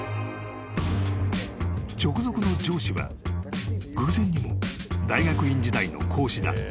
［直属の上司は偶然にも大学院時代の講師だったマイク］